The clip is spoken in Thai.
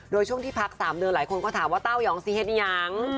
โดยช่วงที่พักสามเดือนหลายคนก็ถามว่าเต้าหย่องเสียเหตุยัง